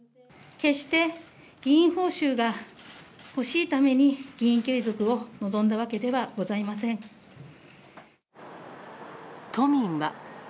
決して議員報酬が欲しいために、議員継続を望んだわけではござい都民は。